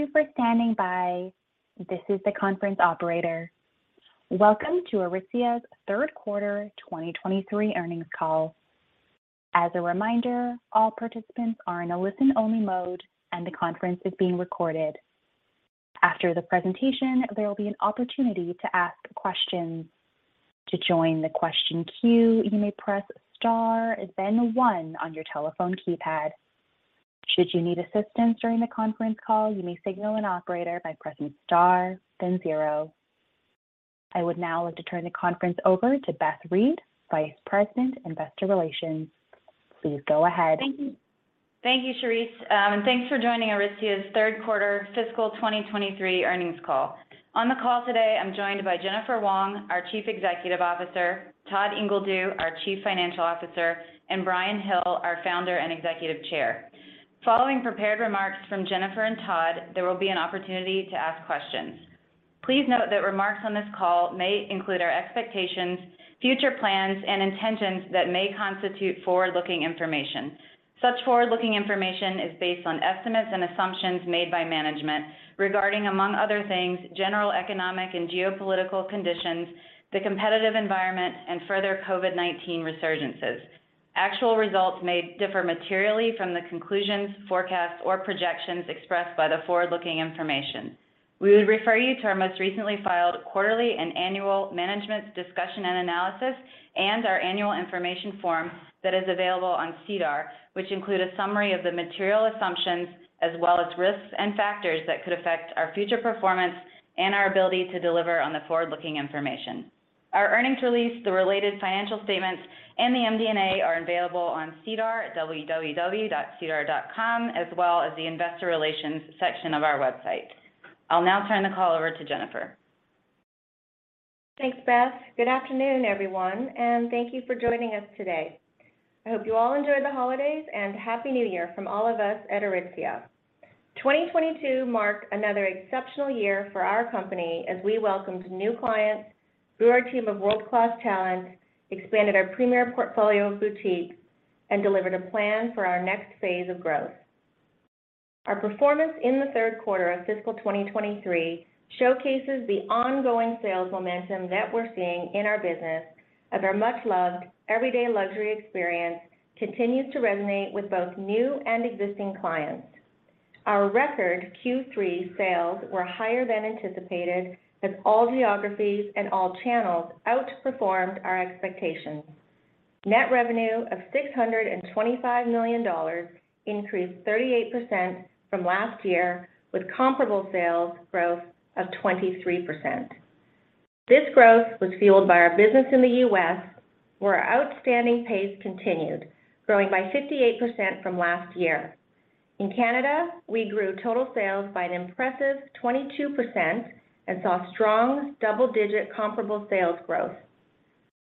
Thank you for standing by. This is the conference operator. Welcome to Aritzia's third quarter 2023 Earnings Call. As a reminder, all participants are in a listen-only mode, and the conference is being recorded. After the presentation, there will be an opportunity to ask questions. To join the question queue, you may press star then one on your telephone keypad. Should you need assistance during the Conference Call, you may signal an operator by pressing star then zero. I would now like to turn the conference over to Beth Reed, Vice President, Investor Relations. Please go ahead. Thank you, Charisse. Thanks for joining Aritzia's third quarter fiscal 2023 Earnings Call. On the call today, I'm joined by Jennifer Wong, our Chief Executive Officer, Todd Ingledew, our Chief Financial Officer, and Brian Hill, our Founder and Executive Chair. Following prepared remarks from Jennifer and Todd, there will be an opportunity to ask questions. Please note that remarks on this call may include our expectations, future plans, and intentions that may constitute forward-looking information. Such forward-looking information is based on estimates and assumptions made by management regarding, among other things, general economic and geopolitical conditions, the competitive environment, and further COVID-19 resurgences. Actual results may differ materially from the conclusions, forecasts, or projections expressed by the forward-looking information. We would refer you to our most recently filed quarterly and annual management's discussion and analysis and our annual information form that is available on SEDAR, which include a summary of the material assumptions as well as risks and factors that could affect our future performance and our ability to deliver on the forward-looking information. Our earnings release, the related financial statements, and the MD&A are available on SEDAR at www.sedar.com, as well as the investor relations section of our website. I'll now turn the call over to Jennifer. Thanks, Beth. Good afternoon, everyone, thank you for joining us today. I hope you all enjoyed the holidays. Happy New Year from all of us at Aritzia. 2022 marked another exceptional year for our company as we welcomed new clients through our team of world-class talent, expanded our premier portfolio of boutiques, and delivered a plan for our next phase of growth. Our performance in the third quarter of fiscal 2023 showcases the ongoing sales momentum that we're seeing in our business as our much-loved everyday luxury experience continues to resonate with both new and existing clients. Our record Q3 sales were higher than anticipated as all geographies and all channels outperformed our expectations. Net revenue of 625 million dollars increased 38% from last year, with comparable sales growth of 23%. This growth was fueled by our business in the U.S., where our outstanding pace continued, growing by 58% from last year. In Canada, we grew total sales by an impressive 22% and saw strong double-digit comparable sales growth.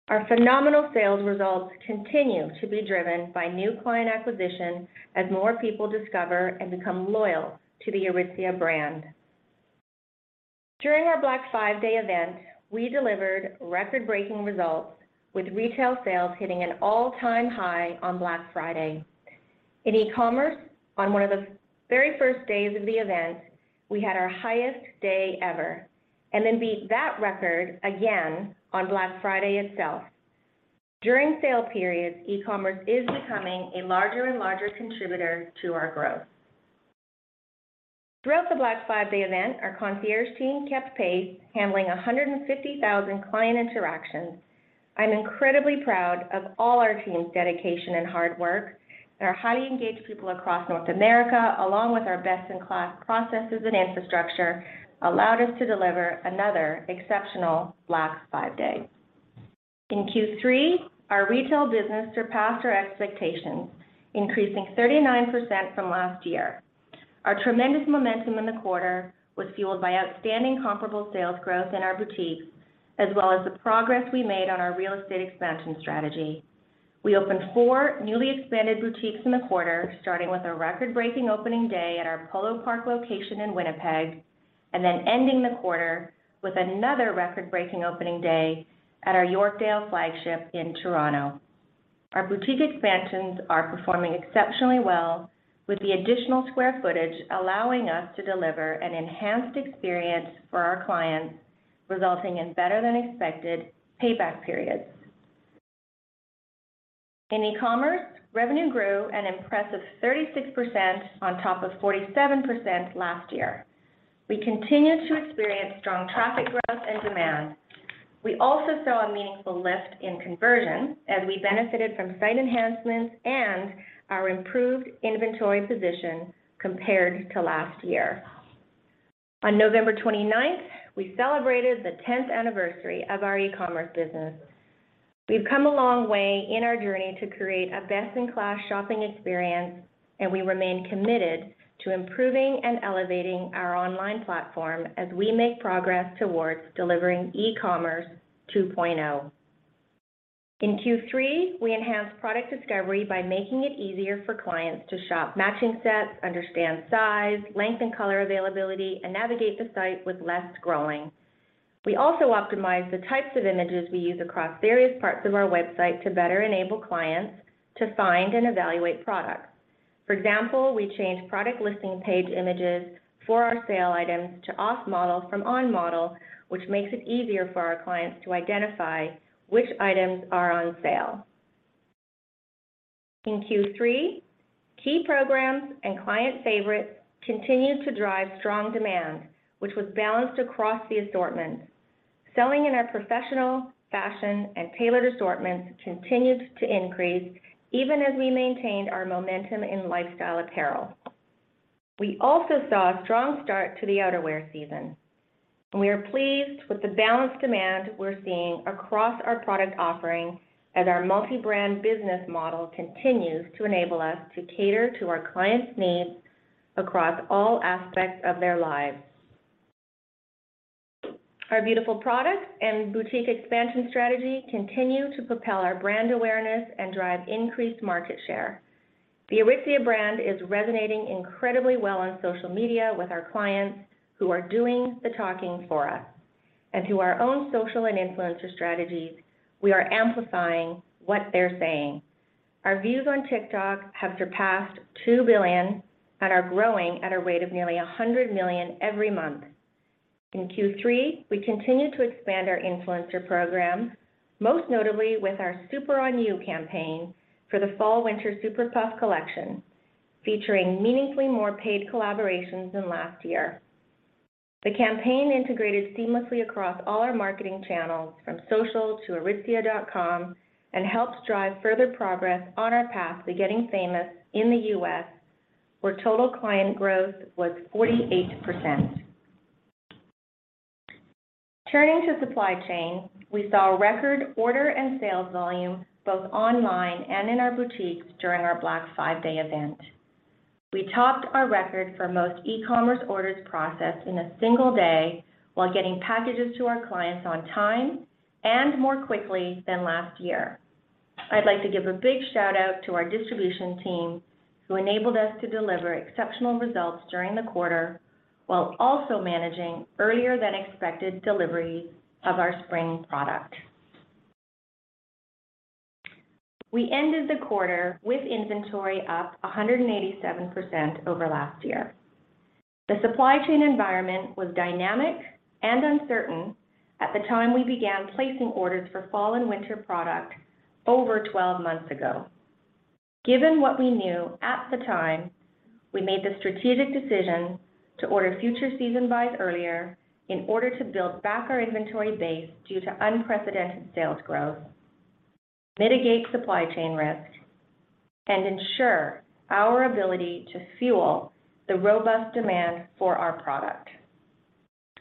Our phenomenal sales results continue to be driven by new client acquisition as more people discover and become loyal to the Aritzia brand. During our Black Fiveday event, we delivered record-breaking results, with retail sales hitting an all-time high on Black Friday. In eCommerce, on one of the very first days of the event, we had our highest day ever and then beat that record again on Black Friday itself. During sale periods, eCommerce is becoming a larger and larger contributor to our growth. Throughout the Black Fiveday event, our concierge team kept pace, handling 150,000 client interactions. I'm incredibly proud of all our team's dedication and hard work, and our highly engaged people across North America, along with our best-in-class processes and infrastructure, allowed us to deliver another exceptional Black Fiveday. In Q3, our retail business surpassed our expectations, increasing 39% from last year. Our tremendous momentum in the quarter was fueled by outstanding comparable sales growth in our boutiques, as well as the progress we made on our real estate expansion strategy. We opened four newly expanded boutiques in the quarter, starting with a record-breaking opening day at our Polo Park location in Winnipeg, and then ending the quarter with another record-breaking opening day at our Yorkdale flagship in Toronto. Our boutique expansions are performing exceptionally well with the additional square footage allowing us to deliver an enhanced experience for our clients, resulting in better-than-expected payback periods. In eCommerce, revenue grew an impressive 36% on top of 47% last year. We continue to experience strong traffic growth and demand. We also saw a meaningful lift in conversion as we benefited from site enhancements and our improved inventory position compared to last year. On November 29th, we celebrated the 10th anniversary of our eCommerce business. We've come a long way in our journey to create a best-in-class shopping experience, and we remain committed to improving and elevating our online platform as we make progress towards delivering eCommerce 2.0. In Q3, we enhanced product discovery by making it easier for clients to shop matching sets, understand size, length, and color availability, and navigate the site with less scrolling. We also optimized the types of images we use across various parts of our website to better enable clients to find and evaluate products. For example, we changed product listing page images for our sale items to off-model from on-model, which makes it easier for our clients to identify which items are on sale. In Q3, key programs and client favorites continued to drive strong demand, which was balanced across the assortments. Selling in our professional, fashion, and tailored assortments continued to increase even as we maintained our momentum in lifestyle apparel. We also saw a strong start to the outerwear season. We are pleased with the balanced demand we're seeing across our product offering as our multi-brand business model continues to enable us to cater to our clients' needs across all aspects of their lives. Our beautiful product and boutique expansion strategy continue to propel our brand awareness and drive increased market share. The Aritzia brand is resonating incredibly well on social media with our clients who are doing the talking for us. Through our own social and influencer strategies, we are amplifying what they're saying. Our views on TikTok have surpassed 2 billion and are growing at a rate of nearly 100 million every month. In Q3, we continued to expand our influencer program, most notably with our Super on You campaign for the fall/winter Super Puff collection, featuring meaningfully more paid collaborations than last year. The campaign integrated seamlessly across all our marketing channels from social to aritzia.com and helped drive further progress on our path to getting famous in the U.S., where total client growth was 48%. Turning to supply chain, we saw record order and sales volume both online and in our boutiques during our Black Fiveday event. We topped our record for most e-commerce orders processed in a single day while getting packages to our clients on time and more quickly than last year. I'd like to give a big shout-out to our distribution team who enabled us to deliver exceptional results during the quarter while also managing earlier than expected delivery of our spring product. We ended the quarter with inventory up 187% over last year. The supply chain environment was dynamic and uncertain at the time we began placing orders for fall and winter product over 12 months ago. Given what we knew at the time, we made the strategic decision to order future season buys earlier in order to build back our inventory base due to unprecedented sales growth, mitigate supply chain risk, and ensure our ability to fuel the robust demand for our product.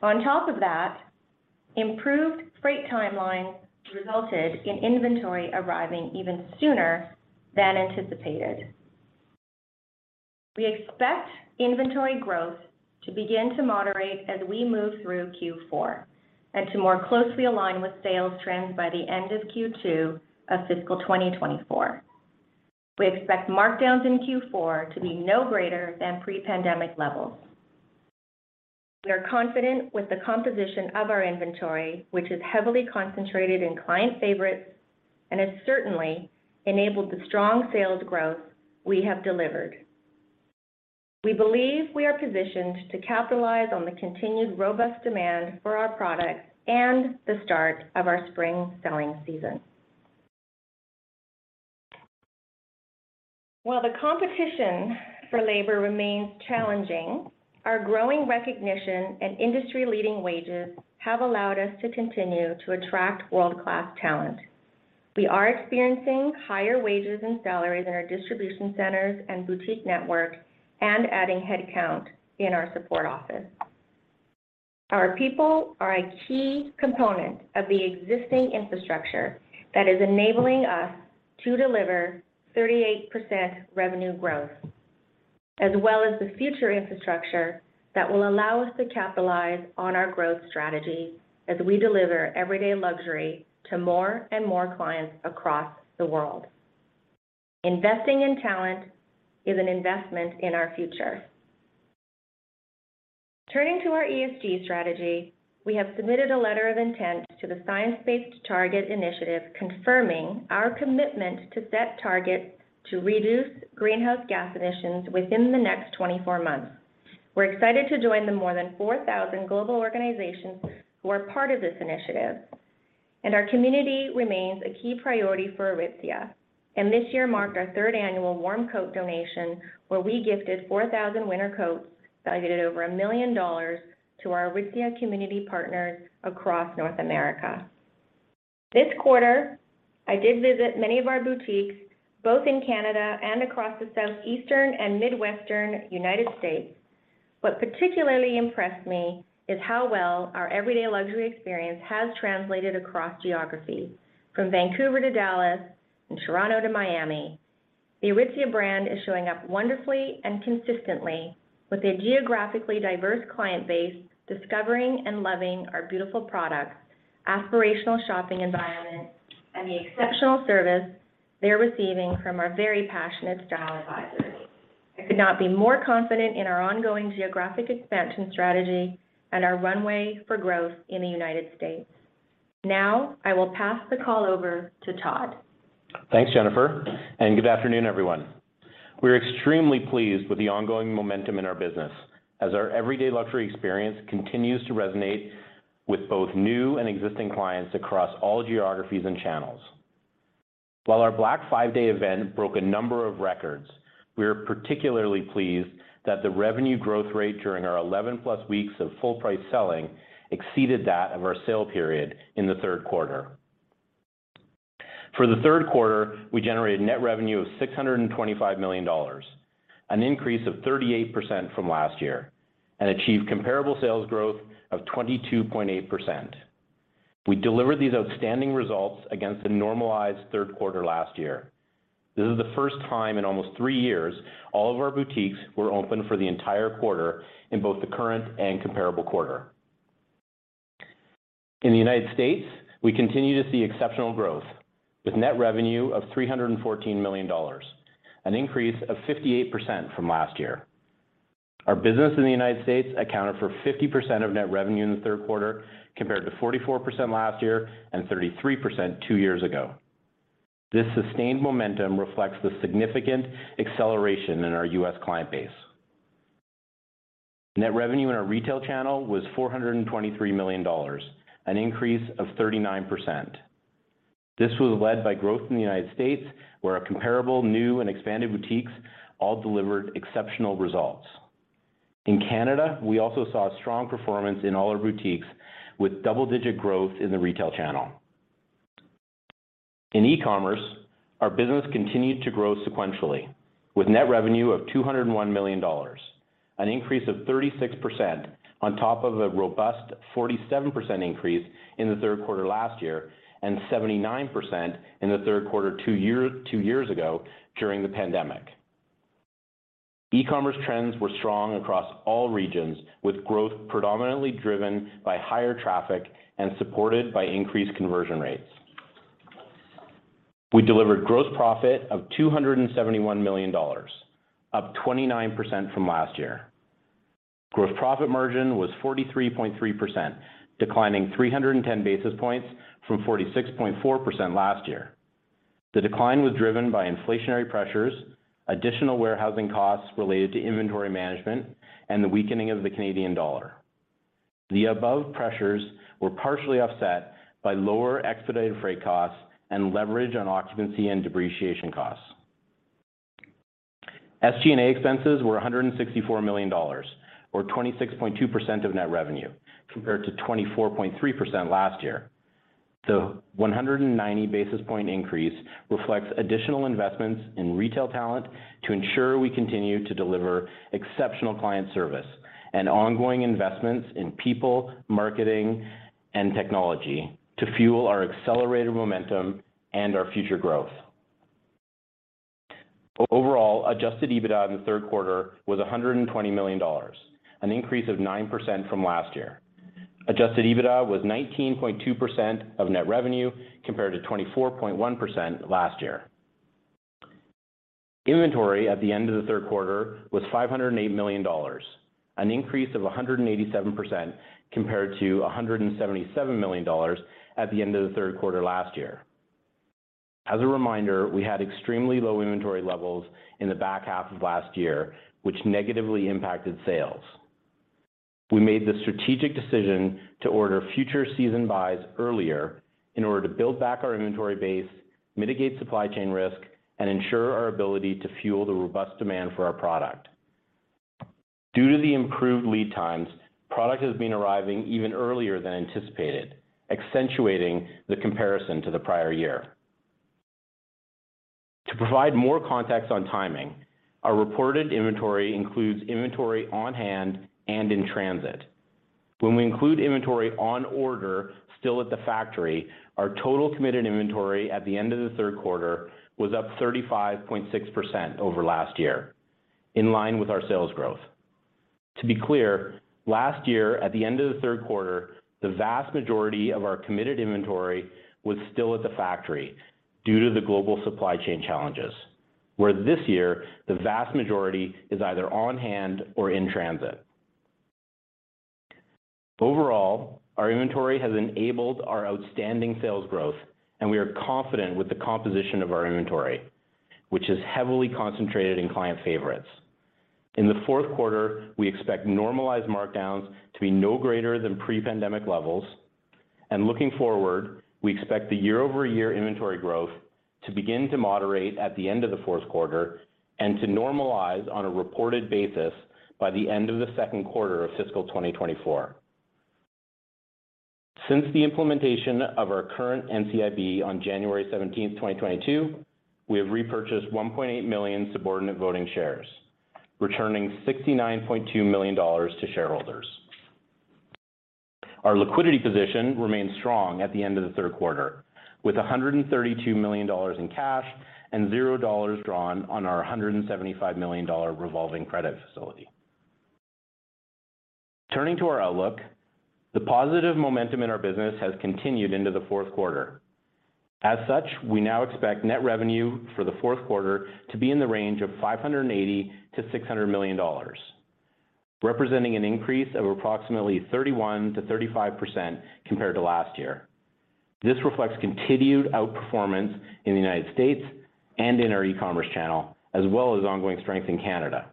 On top of that, improved freight timeline resulted in inventory arriving even sooner than anticipated. We expect inventory growth to begin to moderate as we move through Q4 and to more closely align with sales trends by the end of Q2 of fiscal 2024. We expect markdowns in Q4 to be no greater than pre-pandemic levels. We are confident with the composition of our inventory, which is heavily concentrated in client favorites and has certainly enabled the strong sales growth we have delivered. We believe we are positioned to capitalize on the continued robust demand for our products and the start of our spring selling season. The competition for labor remains challenging, our growing recognition and industry-leading wages have allowed us to continue to attract world-class talent. We are experiencing higher wages and salaries in our distribution centers and boutique network and adding headcount in our support office. Our people are a key component of the existing infrastructure that is enabling us to deliver 38% revenue growth, as well as the future infrastructure that will allow us to capitalize on our growth strategy as we deliver everyday luxury to more and more clients across the world. Investing in talent is an investment in our future. Turning to our ESG strategy, we have submitted a letter of intent to the Science Based Targets initiative, confirming our commitment to set targets to reduce greenhouse gas emissions within the next 24 months. We're excited to join the more than 4,000 global organizations who are part of this initiative, and our community remains a key priority for Aritzia. This year marked our third annual warm coat donation, where we gifted 4,000 winter coats valued at over 1 million dollars to our Aritzia community partners across North America. This quarter, I did visit many of our boutiques, both in Canada and across the Southeastern and Midwestern United States. What particularly impressed me is how well our everyday luxury experience has translated across geographies from Vancouver to Dallas and Toronto to Miami. The Aritzia brand is showing up wonderfully and consistently with a geographically diverse client base discovering and loving our beautiful products, aspirational shopping environment and the exceptional service they're receiving from our very passionate style advisors. I could not be more confident in our ongoing geographic expansion strategy and our runway for growth in the United States. I will pass the call over to Todd. Thanks, Jennifer. Good afternoon, everyone. We're extremely pleased with the ongoing momentum in our business as our everyday luxury experience continues to resonate with both new and existing clients across all geographies and channels. While our Black Fiveday event broke a number of records, we are particularly pleased that the revenue growth rate during our 11+ weeks of full price selling exceeded that of our sale period in the third quarter. For the third quarter, we generated net revenue of $625 million, an increase of 38% from last year, and achieved comparable sales growth of 22.8%. We delivered these outstanding results against a normalized third quarter last year. This is the first time in almost three years all of our boutiques were open for the entire quarter in both the current and comparable quarter. In the United States, we continue to see exceptional growth with net revenue of $314 million, an increase of 58% from last year. Our business in the United States accounted for 50% of net revenue in the third quarter, compared to 44% last year and 33% two years ago. This sustained momentum reflects the significant acceleration in our U.S. client base. Net revenue in our retail channel was $423 million, an increase of 39%. This was led by growth in the United States, where our comparable new and expanded boutiques all delivered exceptional results. In Canada, we also saw strong performance in all our boutiques with double-digit growth in the retail channel. In e-commerce, our business continued to grow sequentially with net revenue of 201 million dollars, an increase of 36% on top of a robust 47% increase in the third quarter last year, and 79% in the third quarter two years ago during the pandemic. E-commerce trends were strong across all regions, with growth predominantly driven by higher traffic and supported by increased conversion rates. We delivered gross profit of 271 million dollars, up 29% from last year. Gross profit margin was 43.3%, declining 310 basis points from 46.4% last year. The decline was driven by inflationary pressures, additional warehousing costs related to inventory management, and the weakening of the Canadian dollar. The above pressures were partially offset by lower expedited freight costs and leverage on occupancy and depreciation costs. SG&A expenses were 164 million dollars, or 26.2% of net revenue compared to 24.3% last year. The 190 basis point increase reflects additional investments in retail talent to ensure we continue to deliver exceptional client service and ongoing investments in people, marketing and technology to fuel our accelerated momentum and our future growth. Overall, adjusted EBITDA in the third quarter was 120 million dollars, an increase of 9% from last year. Adjusted EBITDA was 19.2% of net revenue, compared to 24.1% last year. Inventory at the end of the third quarter was 508 million dollars, an increase of 187% compared to 177 million dollars at the end of the third quarter last year. As a reminder, we had extremely low inventory levels in the back half of last year, which negatively impacted sales. We made the strategic decision to order future season buys earlier in order to build back our inventory base, mitigate supply chain risk, and ensure our ability to fuel the robust demand for our product. Due to the improved lead times, product has been arriving even earlier than anticipated, accentuating the comparison to the prior year. To provide more context on timing, our reported inventory includes inventory on hand and in transit. When we include inventory on order still at the factory, our total committed inventory at the end of the third quarter was up 35.6% over last year in line with our sales growth. To be clear, last year at the end of the third quarter, the vast majority of our committed inventory was still at the factory due to the global supply chain challenges, where this year the vast majority is either on hand or in transit. Overall, our inventory has enabled our outstanding sales growth and we are confident with the composition of our inventory, which is heavily concentrated in client favorites. In the fourth quarter, we expect normalized markdowns to be no greater than pre-pandemic levels. Looking forward, we expect the year-over-year inventory growth to begin to moderate at the end of the fourth quarter and to normalize on a reported basis by the end of the second quarter of fiscal 2024. Since the implementation of our current NCIB on January 17th, 2022, we have repurchased 1.8 million subordinate voting shares, returning 69.2 million dollars to shareholders. Our liquidity position remains strong at the end of the third quarter, with 132 million dollars in cash and 0 dollars drawn on our 175 million dollar revolving credit facility. Turning to our outlook, the positive momentum in our business has continued into the fourth quarter. As such, we now expect net revenue for the fourth quarter to be in the range of 580 million-600 million dollars, representing an increase of approximately 31%-35% compared to last year. This reflects continued outperformance in the United States and in our e-commerce channel, as well as ongoing strength in Canada.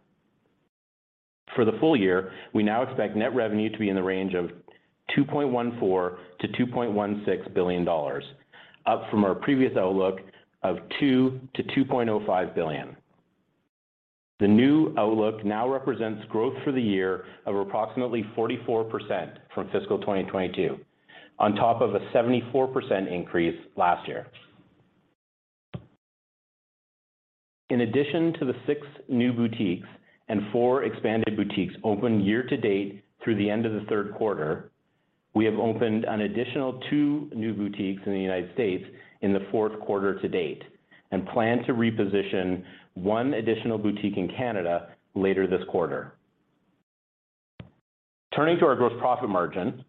For the full year, we now expect net revenue to be in the range of 2.14 billion-2.16 billion dollars, up from our previous outlook of 2 billion-2.05 billion. The new outlook now represents growth for the year of approximately 44% from fiscal 2022, on top of a 74% increase last year. In addition to the six new boutiques and four expanded boutiques opened year to date through the end of the third quarter, we have opened an additional two new boutiques in the United States in the fourth quarter to date and plan to reposition one additional boutique in Canada later this quarter. Turning to our gross profit margin,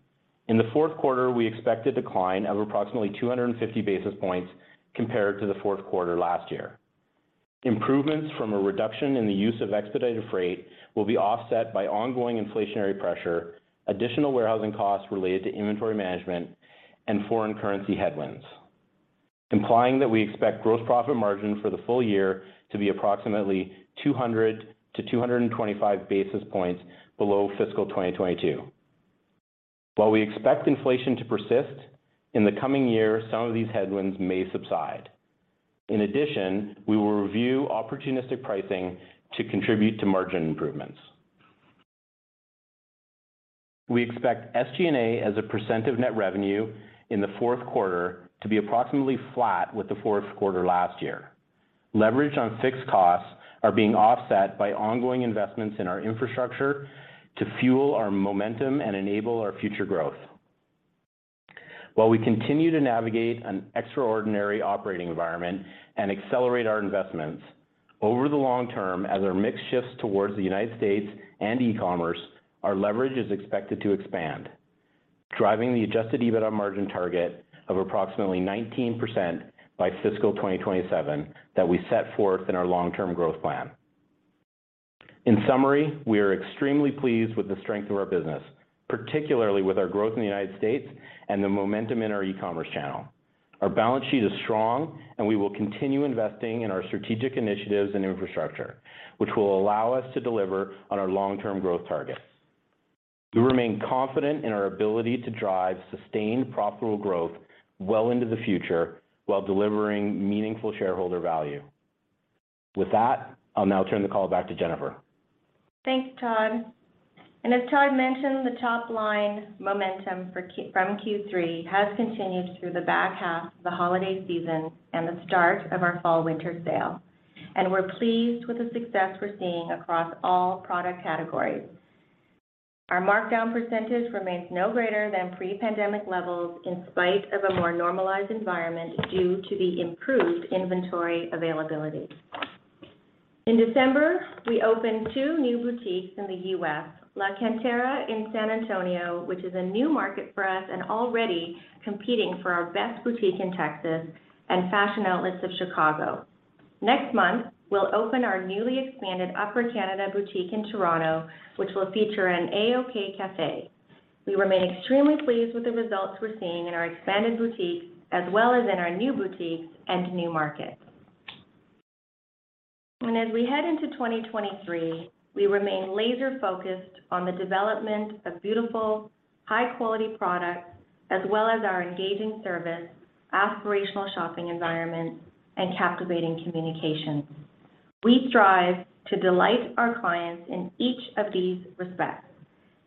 in the fourth quarter, we expect a decline of approximately 250 basis points compared to the fourth quarter last year. Improvements from a reduction in the use of expedited freight will be offset by ongoing inflationary pressure, additional warehousing costs related to inventory management, and foreign currency headwinds, implying that we expect gross profit margin for the full year to be approximately 200-225 basis points below fiscal 2022. While we expect inflation to persist, in the coming year, some of these headwinds may subside. In addition, we will review opportunistic pricing to contribute to margin improvements. We expect SG&A as a percentage of net revenue in the fourth quarter to be approximately flat with the fourth quarter last year. Leverage on fixed costs are being offset by ongoing investments in our infrastructure to fuel our momentum and enable our future growth. While we continue to navigate an extraordinary operating environment and accelerate our investments, over the long term, as our mix shifts towards the United States and e-commerce, our leverage is expected to expand, driving the adjusted EBITDA margin target of approximately 19% by fiscal 2027 that we set forth in our long-term growth plan. In summary, we are extremely pleased with the strength of our business, particularly with our growth in the United States and the momentum in our e-commerce channel. Our balance sheet is strong, and we will continue investing in our strategic initiatives and infrastructure, which will allow us to deliver on our long-term growth targets. We remain confident in our ability to drive sustained profitable growth well into the future while delivering meaningful shareholder value. With that, I'll now turn the call back to Jennifer. Thanks, Todd. As Todd mentioned, the top-line momentum from Q3 has continued through the back half of the holiday season and the start of our fall-winter sale, and we're pleased with the success we're seeing across all product categories. Our markdown percentage remains no greater than pre-pandemic levels in spite of a more normalized environment due to the improved inventory availability. In December, we opened two new boutiques in the U.S., La Cantera in San Antonio, which is a new market for us and already competing for our best boutique in Texas, and Fashion Outlets of Chicago. Next month, we'll open our newly expanded Upper Canada boutique in Toronto, which will feature an A-OK Cafe. We remain extremely pleased with the results we're seeing in our expanded boutiques, as well as in our new boutiques and new markets. As we head into 2023, we remain laser-focused on the development of beautiful, high-quality products as well as our engaging service, aspirational shopping environment, and captivating communication. We strive to delight our clients in each of these respects,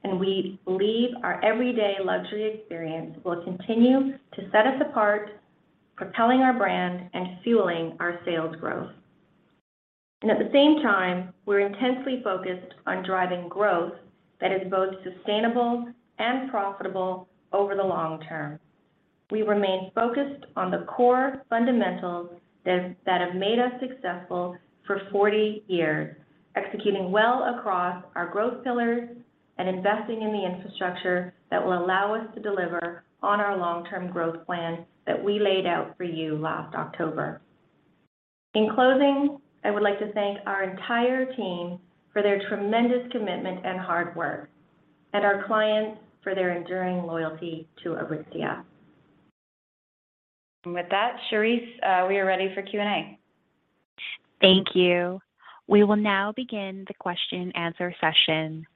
and we believe our everyday luxury experience will continue to set us apart, propelling our brand and fueling our sales growth. At the same time, we're intensely focused on driving growth that is both sustainable and profitable over the long term. We remain focused on the core fundamentals that have made us successful for 40 years, executing well across our growth pillars and investing in the infrastructure that will allow us to deliver on our long-term growth plan that we laid out for you last October. In closing, I would like to thank our entire team for their tremendous commitment and hard work, and our clients for their enduring loyalty to Aritzia. With that, Charisse, we are ready for Q&A. Thank you. We will now begin the question and answer session.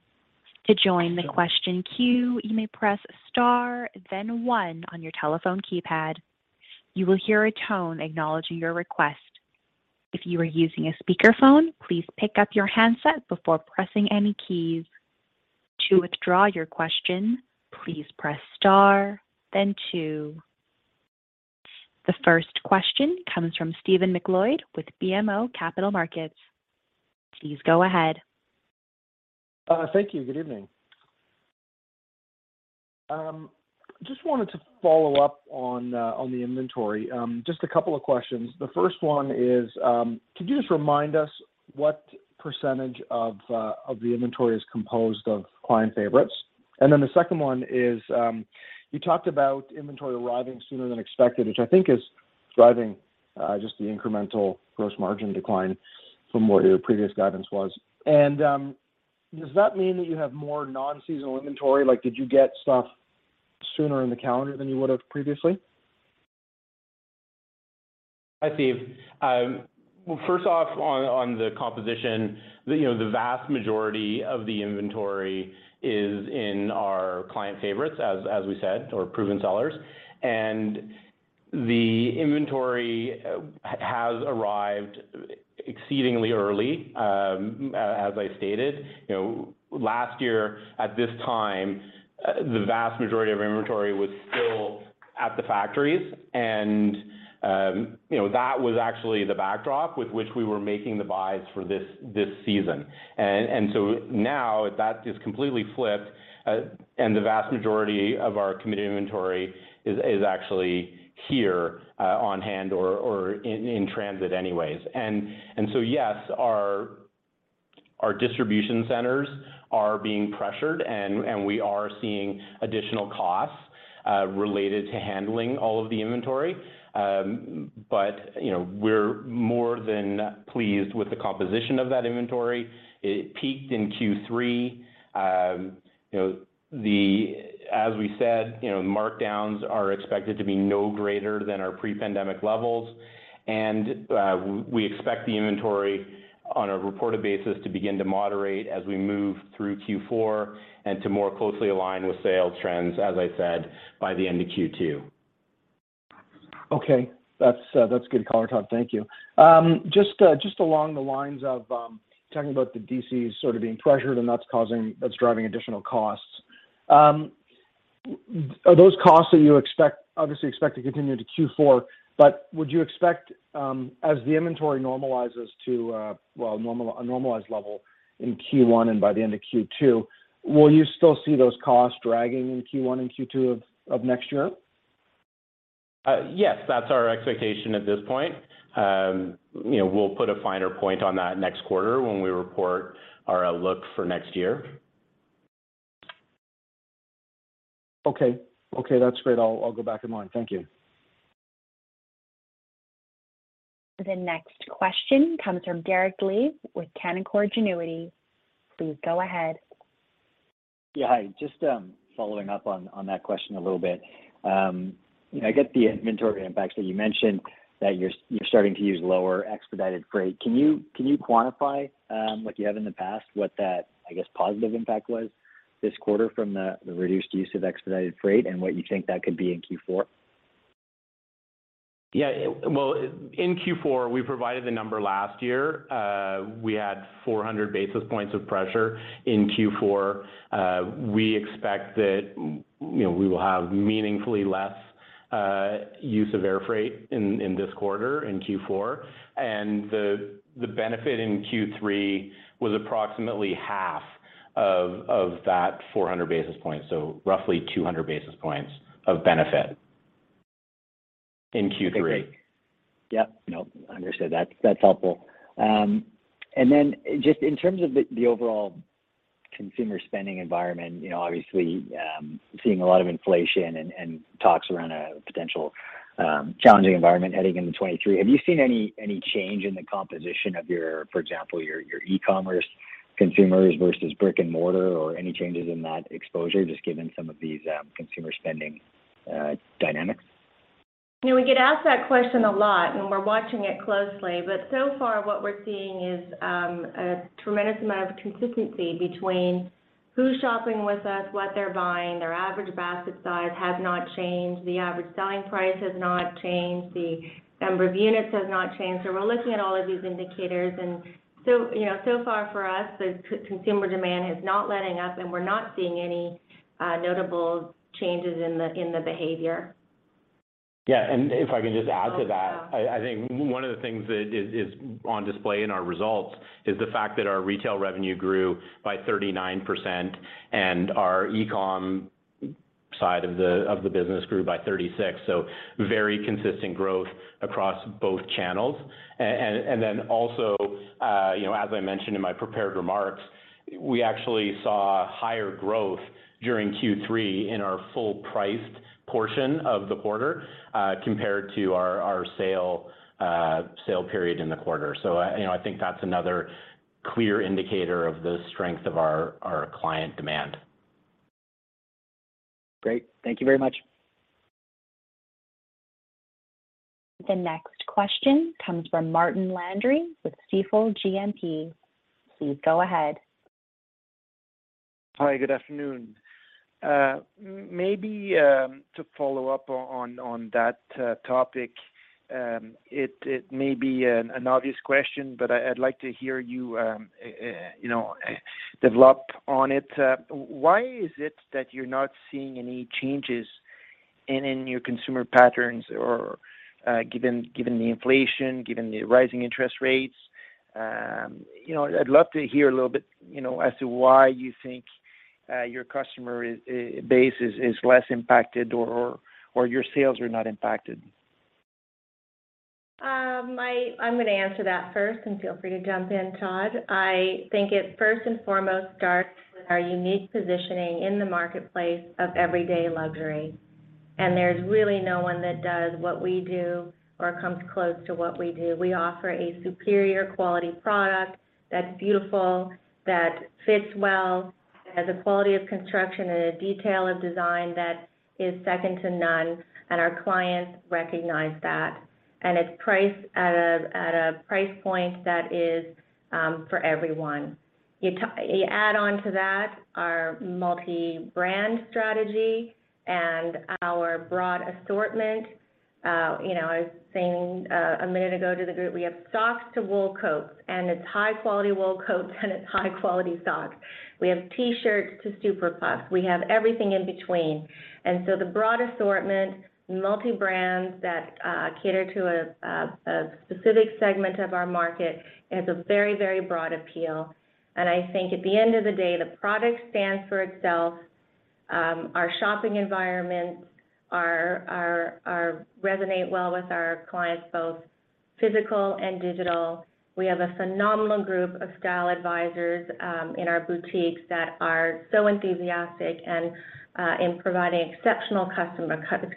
To join the question queue, you may press star then 1 on your telephone keypad. You will hear a tone acknowledging your request. If you are using a speakerphone, please pick up your handset before pressing any keys. To withdraw your question, please press star then 2. The first question comes from Stephen MacLeod with BMO Capital Markets. Please go ahead. Thank you. Good evening. Just wanted to follow up on the inventory. Just a couple of questions. The first one is, could you just remind us what percentage of the inventory is composed of client favorites? Then the second one is, you talked about inventory arriving sooner than expected, which I think is driving just the incremental gross margin decline from what your previous guidance was. Does that mean that you have more non-seasonal inventory? Like, did you get stuff sooner in the calendar than you would have previously? Hi, Steve. Well, first off on the composition, you know, the vast majority of the inventory is in our client favorites as we said, or proven sellers. The inventory has arrived exceedingly early, as I stated. You know, last year at this time, the vast majority of inventory was still at the factories and, you know, that was actually the backdrop with which we were making the buys for this season. Now that is completely flipped, and the vast majority of our committed inventory is actually here, on hand or in transit anyways. Yes, our distribution centers are being pressured and we are seeing additional costs related to handling all of the inventory. You know, we're more than pleased with the composition of that inventory. It peaked in Q3. you know, As we said, you know, markdowns are expected to be no greater than our pre-pandemic levels. We expect the inventory on a reported basis to begin to moderate as we move through Q4 and to more closely align with sales trends, as I said, by the end of Q2. Okay. That's good color, Todd. Thank you. Just along the lines of talking about the D.C.s sort of being pressured and that's driving additional costs. Are those costs that you expect, obviously expect to continue to Q4, but would you expect, as the inventory normalizes to a normalized level in Q1 and by the end of Q2, will you still see those costs dragging in Q1 and Q2 of next year? Yes, that's our expectation at this point. You know, we'll put a finer point on that next quarter when we report our outlook for next year. Okay. Okay, that's great. I'll go back in line. Thank you. The next question comes from Derek Lee with Canaccord Genuity. Please go ahead. Yeah, hi. Just, following up on that question a little bit. you know, I get the inventory impacts that you mentioned that you're starting to use lower expedited freight. Can you quantify, like you have in the past, what that, I guess, positive impact was this quarter from the reduced use of expedited freight and what you think that could be in Q4? Yeah. Well, in Q4, we provided the number last year. We had 400 basis points of pressure in Q4. We expect that, you know, we will have meaningfully less use of air freight in this quarter, in Q4. The benefit in Q3 was approximately half of that 400 basis points, so roughly 200 basis points of benefit in Q3. Yep. No, understood. That's, that's helpful. Just in terms of the overall consumer spending environment, you know, obviously, seeing a lot of inflation and talks around a potential, challenging environment heading into 2023, have you seen any change in the composition of your, for example, your e-commerce consumers versus brick-and-mortar or any changes in that exposure, just given some of these, consumer spending, dynamics? You know, we get asked that question a lot. We're watching it closely. So far what we're seeing is a tremendous amount of consistency between who's shopping with us, what they're buying. Their average basket size has not changed. The average selling price has not changed. The number of units has not changed. We're looking at all of these indicators, you know, so far for us, the consumer demand has not letting up, and we're not seeing any notable changes in the behavior. Yeah. If I can just add to that. Oh, yeah. I think one of the things that is on display in our results is the fact that our retail revenue grew by 39% and our e-com side of the business grew by 36%. Very consistent growth across both channels. Also, you know, as I mentioned in my prepared remarks, we actually saw higher growth during Q3 in our full priced portion of the quarter, compared to our sale period in the quarter. You know, I think that's another clear indicator of the strength of our client demand. Great. Thank you very much. The next question comes from Martin Landry with Stifel GMP. Please go ahead. Hi, good afternoon. Maybe to follow up on that topic, it may be an obvious question, but I'd like to hear you know, develop on it. Why is it that you're not seeing any changes and in your consumer patterns or, given the inflation, given the rising interest rates, you know, I'd love to hear a little bit, you know, as to why you think your customer base is less impacted or your sales are not impacted? I'm gonna answer that first, feel free to jump in, Todd. I think it first and foremost starts with our unique positioning in the marketplace of everyday luxury. There's really no one that does what we do or comes close to what we do. We offer a superior quality product that's beautiful, that fits well, has a quality of construction and a detail of design that is second to none, our clients recognize that. It's priced at a price point that is for everyone. You add on to that our multi-brand strategy and our broad assortment. You know, I was saying a minute ago to the group, we have socks to wool coats, it's high quality wool coats and it's high quality socks. We have T-shirts to Super Puffs. We have everything in between. The broad assortment, multi-brands that cater to a specific segment of our market, it has a very, very broad appeal. I think at the end of the day, the product stands for itself. Our shopping environments are resonate well with our clients, both physical and digital. We have a phenomenal group of style advisors in our boutiques that are so enthusiastic and in providing exceptional customer experience,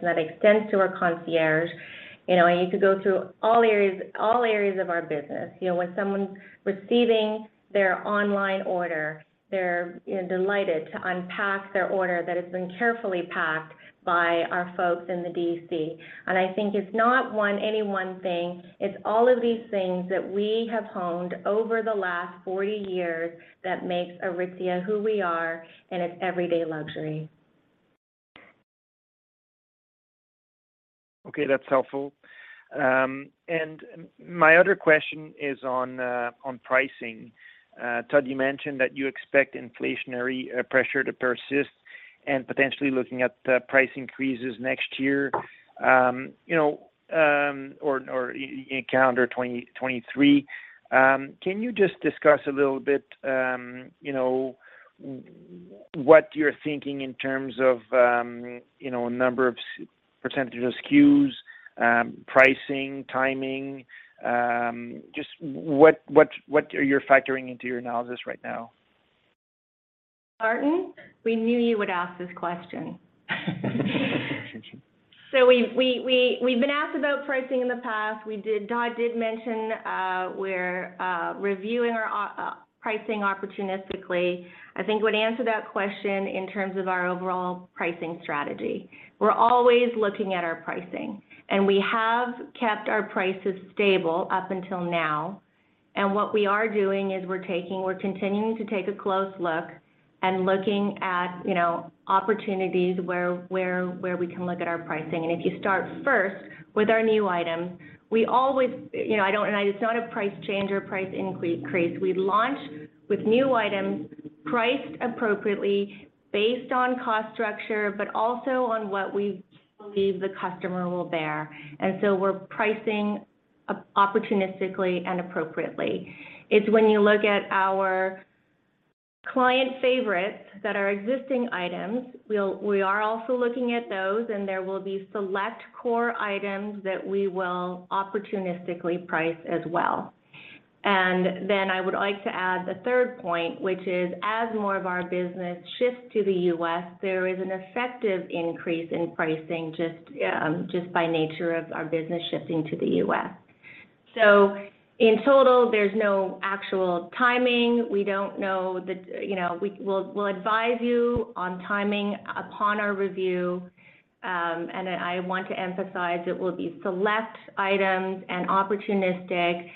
and that extends to our concierge. You know, you could go through all areas of our business. You know, when someone's receiving their online order, they're, you know, delighted to unpack their order that has been carefully packed by our folks in the DC. I think it's not one, any one thing, it's all of these things that we have honed over the last 40 years that makes Aritzia who we are, and it's everyday luxury. Okay, that's helpful. My other question is on pricing. Todd, you mentioned that you expect inflationary pressure to persist and potentially looking at price increases next year, you know, or in calendar 2023. Can you just discuss a little bit, you know, what you're thinking in terms of, you know, number of percentage of SKUs, pricing, timing, just what you're factoring into your analysis right now? Martin, we knew you would ask this question. We've been asked about pricing in the past. Todd did mention, we're reviewing our pricing opportunistically. I think would answer that question in terms of our overall pricing strategy. We're always looking at our pricing, we have kept our prices stable up until now. What we are doing is we're continuing to take a close look and looking at, you know, opportunities where we can look at our pricing. If you start first with our new items, you know, I just know the price change or price increase. We launch with new items priced appropriately based on cost structure, but also on what we believe the customer will bear. We're pricing opportunistically and appropriately. It's when you look at our client favorites that are existing items, we'll, we are also looking at those, and there will be select core items that we will opportunistically price as well. I would like to add the third point, which is as more of our business shifts to the U.S., there is an effective increase in pricing just by nature of our business shifting to the U.S. In total, there's no actual timing. We don't know the, you know. We'll, we'll advise you on timing upon our review. I want to emphasize it will be select items and opportunistic.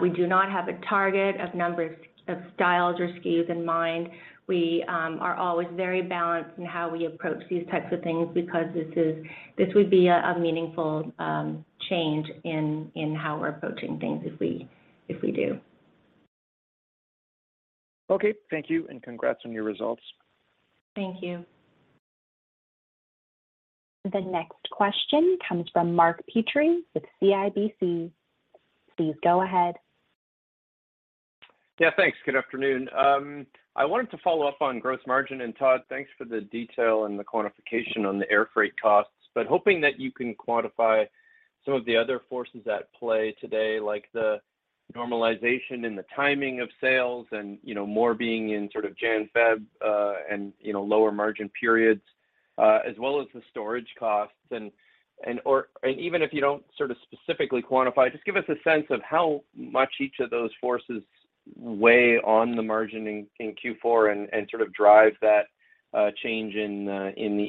We do not have a target of numbers of styles or SKUs in mind. We are always very balanced in how we approach these types of things because this would be a meaningful change in how we're approaching things if we do. Okay. Thank you. Congrats on your results. Thank you. The next question comes from Mark Petrie with CIBC. Please go ahead. Yeah, thanks. Good afternoon. I wanted to follow up on gross margin. Todd, thanks for the detail and the quantification on the air freight costs, but hoping that you can quantify some of the other forces at play today, like the normalization in the timing of sales and, you know, more being in sort of January, February, and, you know, lower margin periods, as well as the storage costs. And/or even if you don't sort of specifically quantify, just give us a sense of how much each of those forces weigh on the margin in Q4 and sort of drive that change in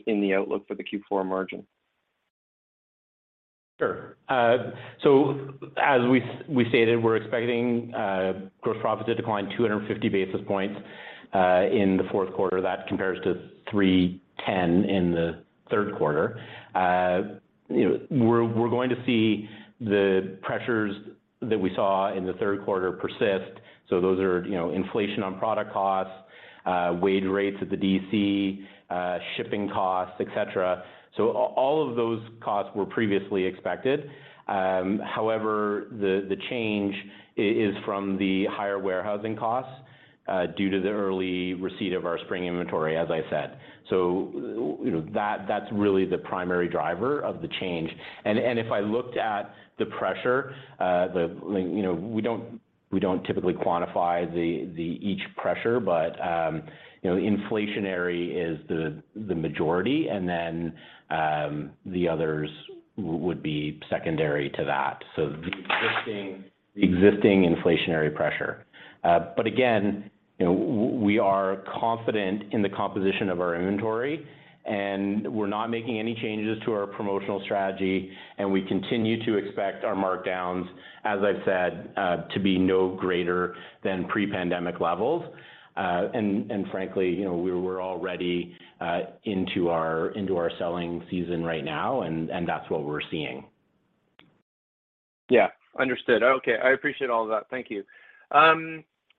the outlook for the Q4 margin. Sure. As we stated, we're expecting gross profit to decline 250 basis points in the fourth quarter. That compares to 310 in the third quarter. You know, we're going to see the pressures that we saw in the third quarter persist. Those are, you know, inflation on product costs, wage rates at the D.C., shipping costs, et cetera. All of those costs were previously expected. However, the change is from the higher warehousing costs due to the early receipt of our spring inventory, as I said. You know, that's really the primary driver of the change. If I looked at the pressure, You know, we don't typically quantify each pressure, but, you know, inflationary is the majority, and then, the others would be secondary to that. The existing inflationary pressure. Again, you know, we are confident in the composition of our inventory, and we're not making any changes to our promotional strategy, and we continue to expect our markdowns, as I've said, to be no greater than pre-pandemic levels. Frankly, you know, we're already into our selling season right now and that's what we're seeing. Yeah. Understood. Okay. I appreciate all of that. Thank you.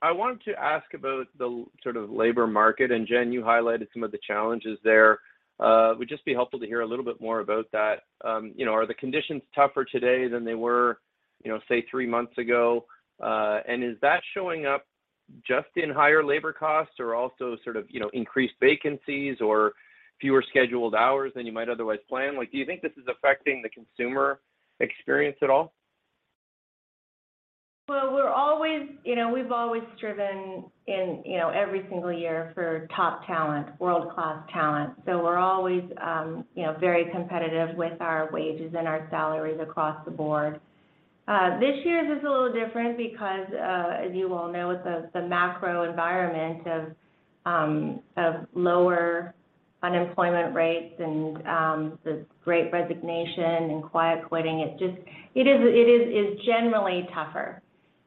I wanted to ask about the sort of labor market. Jen, you highlighted some of the challenges there. Would just be helpful to hear a little bit more about that. You know, are the conditions tougher today than they were, you know, say, three months ago? Is that showing up just in higher labor costs or also sort of, you know, increased vacancies or fewer scheduled hours than you might otherwise plan? Like, do you think this is affecting the consumer experience at all? We're always, you know, we've always striven in, you know, every single year for top talent, world-class talent. We're always, you know, very competitive with our wages and our salaries across the board. This year is a little different because, as you all know, the macro environment of lower unemployment rates and this great resignation and quiet quitting, it is generally tougher.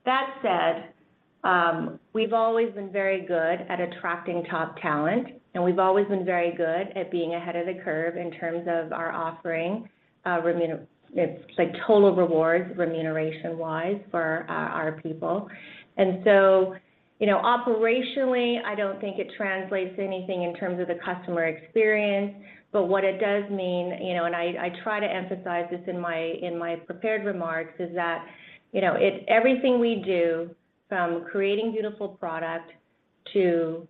That said, we've always been very good at attracting top talent, and we've always been very good at being ahead of the curve in terms of our offering, it's like total rewards remuneration-wise for our people. You know, operationally, I don't think it translates anything in terms of the customer experience, but what it does mean, you know, and I try to emphasize this in my, in my prepared remarks, is that, you know, everything we do from creating beautiful product to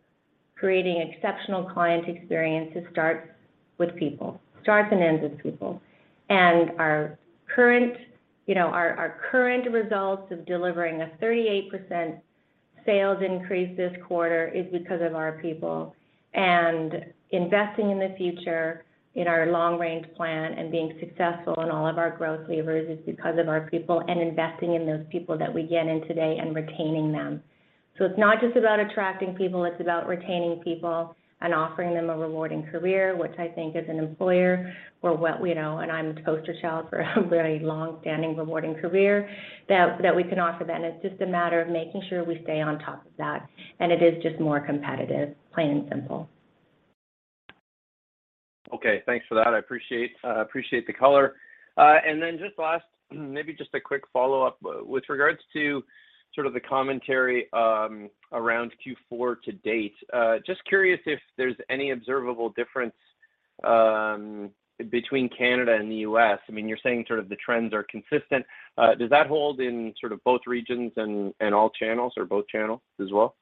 creating exceptional client experiences starts with people. Starts and ends with people. Our current, you know, our current results of delivering a 38% sales increase this quarter is because of our people. Investing in the future in our long-range plan and being successful in all of our growth levers is because of our people, and investing in those people that we get in today and retaining them. It's not just about attracting people, it's about retaining people and offering them a rewarding career, which I think as an employer, we're what we know, and I'm the poster child for a very long-standing rewarding career that we can offer then. It's just a matter of making sure we stay on top of that, and it is just more competitive, plain and simple. Okay. Thanks for that. I appreciate the color. Then just last, maybe just a quick follow-up with regards to sort of the commentary, around Q4 to date. Just curious if there's any observable difference between Canada and the U.S. I mean, you're saying sort of the trends are consistent. Does that hold in sort of both regions and all channels or both channels as well?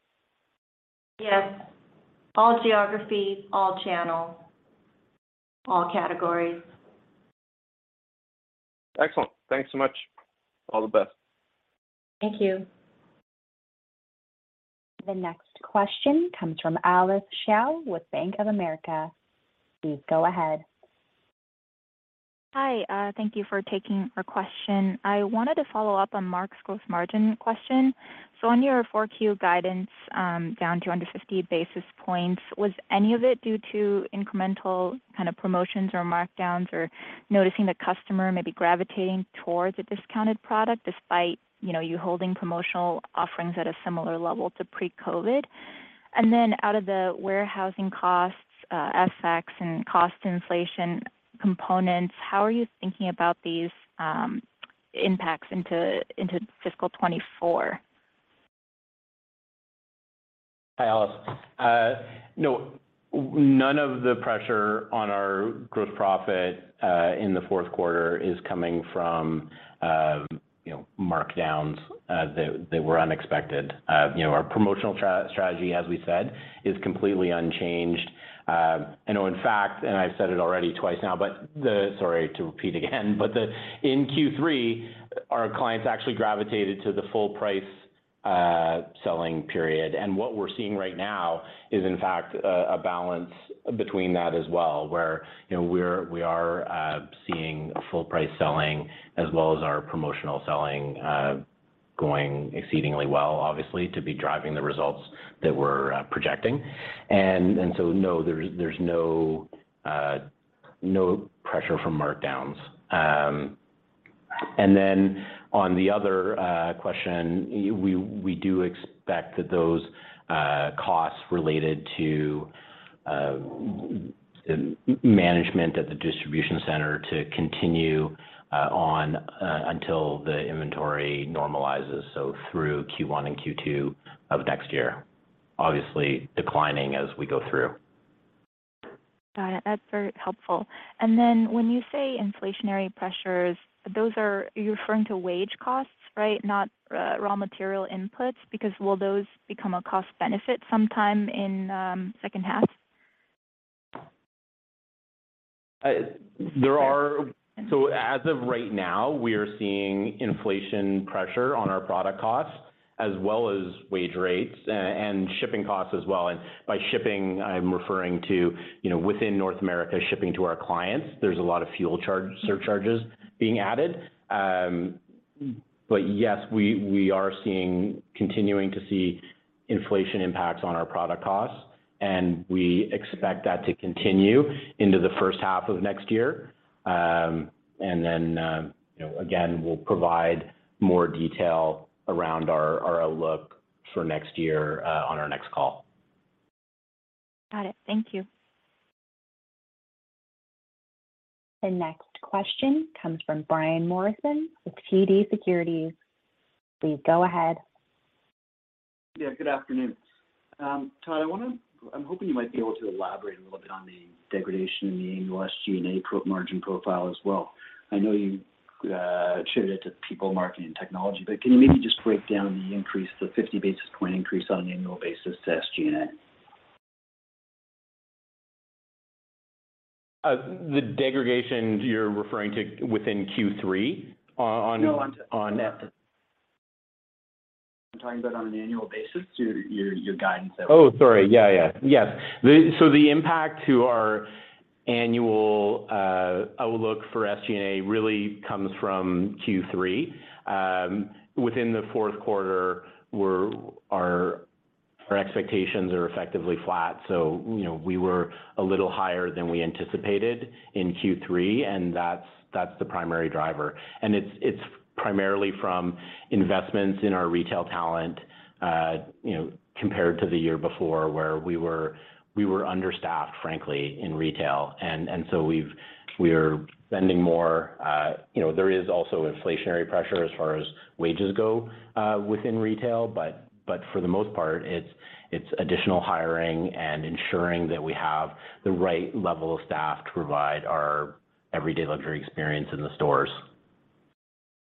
Yes. All geographies, all channels, all categories. Excellent. Thanks so much. All the best. Thank you. The next question comes from Alice Xiao with Bank of America. Please go ahead. Hi. Thank you for taking our question. I wanted to follow up on Mark's gross margin question. On your 4-Q guidance, down 250 basis points, was any of it due to incremental kind of promotions or markdowns or noticing the customer maybe gravitating towards a discounted product despite, you know, you holding promotional offerings at a similar level to pre-COVID? Out of the warehousing costs, effects and cost inflation components, how are you thinking about these impacts into fiscal 2024? Hi, Alice. No, none of the pressure on our gross profit in the fourth quarter is coming from, you know, markdowns that were unexpected. You know, our promotional strategy, as we said, is completely unchanged. You know, in fact, I've said it already twice now, in Q3, our clients actually gravitated to the full price selling period. What we're seeing right now is, in fact, a balance between that as well, where, you know, we are seeing full price selling as well as our promotional selling continueGoing exceedingly well, obviously, to be driving the results that we're projecting. No, there's no pressure from markdowns. On the other question, we do expect that those costs related to management at the distribution center to continue on until the inventory normalizes, so through Q1 and Q2 of next year. Obviously declining as we go through. Got it. That's very helpful. When you say inflationary pressures, you're referring to wage costs, right? Not raw material inputs? Will those become a cost benefit sometime in second half? Uh, there are- Okay. As of right now, we are seeing inflation pressure on our product costs as well as wage rates, and shipping costs as well. By shipping, I'm referring to, you know, within North America, shipping to our clients. There's a lot of. Sure... surcharges being added. Yes, we are seeing, continuing to see inflation impacts on our product costs, and we expect that to continue into the first half of next year. You know, again, we'll provide more detail around our outlook for next year, on our next call. Got it. Thank you. The next question comes from Brian Morrison with TD Securities. Please go ahead. Yeah, good afternoon. Todd, I'm hoping you might be able to elaborate a little bit on the degradation in the annual SG&A pro- margin profile as well. I know you attributed it to people marketing technology, but can you maybe just break down the increase, the 50 basis point increase on an annual basis to SG&A? The degradation you're referring to within Q3 on? No, on-. On- I'm talking about on an annual basis to your guidance that was- Oh, sorry. Yeah, yeah. Yes. The impact to our annual outlook for SG&A really comes from Q3. Within the fourth quarter, our expectations are effectively flat, you know, we were a little higher than we anticipated in Q3, and that's the primary driver. It's primarily from investments in our retail talent, you know, compared to the year before where we were understaffed, frankly, in retail. we're spending more. you know, there is also inflationary pressure as far as wages go within retail, but for the most part, it's additional hiring and ensuring that we have the right level of staff to provide our everyday luxury experience in the stores.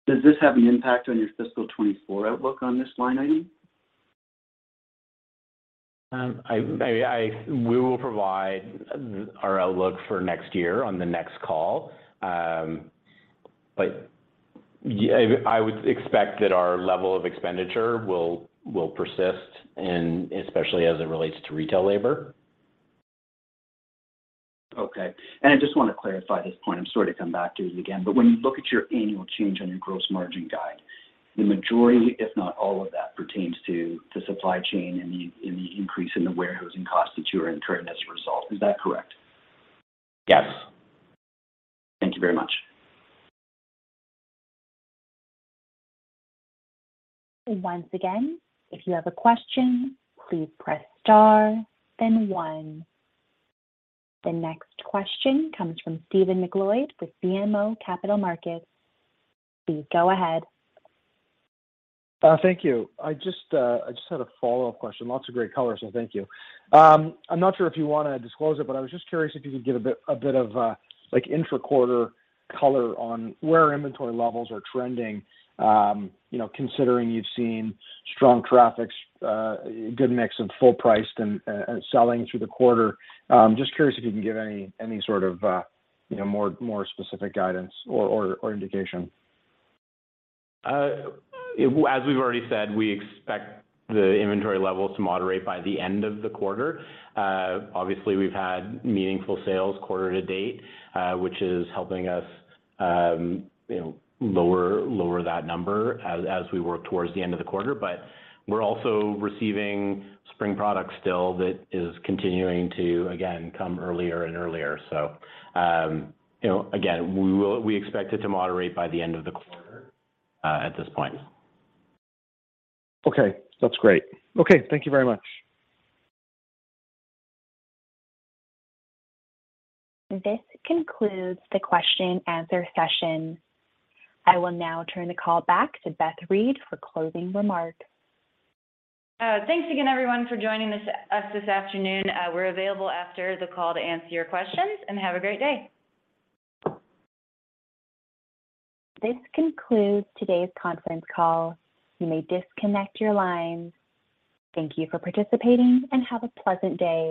Does this have an impact on your fiscal 2024 outlook on this line item? We will provide our outlook for next year on the next call. Yeah, I would expect that our level of expenditure will persist in especially as it relates to retail labor. Okay. I just wanna clarify this point. I'm sorry to come back to it again. When you look at your annual change on your gross margin guide, the majority, if not all of that, pertains to supply chain and the increase in the warehousing costs that you are incurring as a result. Is that correct? Yes. Thank you very much. Once again, if you have a question, please press star then one. The next question comes from Stephen MacLeod with BMO Capital Markets. Please go ahead. Thank you. I just had a follow-up question. Lots of great color, so thank you. I'm not sure if you wanna disclose it, but I was just curious if you could give a bit of, like, intra-quarter color on where inventory levels are trending, you know, considering you've seen strong traffics, a good mix of full priced and selling through the quarter. Just curious if you can give any sort of, you know, more specific guidance or indication. As we've already said, we expect the inventory levels to moderate by the end of the quarter. Obviously we've had meaningful sales quarter to date, which is helping us, you know, lower that number as we work towards the end of the quarter. We're also receiving spring products still that is continuing to, again, come earlier and earlier. You know, again, we expect it to moderate by the end of the quarter at this point. Okay. That's great. Okay. Thank you very much. This concludes the question and answer session. I will now turn the call back to Beth Reed for closing remarks. Thanks again, everyone, for joining us this afternoon. We're available after the call to answer your questions, and have a great day. This concludes today's conference call. You may disconnect your lines. Thank you for participating, and have a pleasant day.